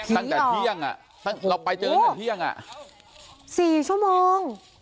ตั้งแต่เที่ยงเราไปเจอตั้งแต่เที่ยง๔ชั่วโมง